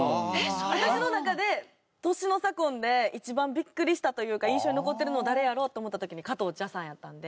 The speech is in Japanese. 私の中で年の差婚で一番ビックリしたというか印象に残ってるの誰やろうって思った時に加藤茶さんやったので。